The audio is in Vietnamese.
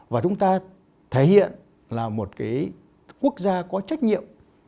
và chúng ta thể hiện là một cái quốc gia có trách nhiệm